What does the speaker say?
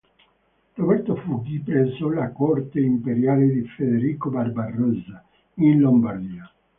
Roberto fuggì presso la corte imperiale di Federico Barbarossa, in Lombardia.